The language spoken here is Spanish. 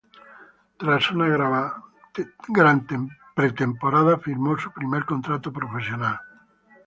Tras una gran pretemporada, firmo su primer contrato profesional.